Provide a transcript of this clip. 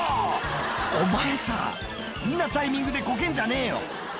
「お前さぁこんなタイミングでこけんじゃねえよ」